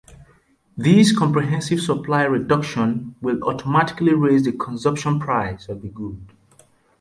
This comprehensive supply reduction will automatically raise the consumption price of the good.